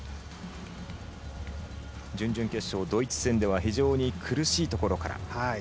準々決勝ドイツ戦では非常に苦しいところから。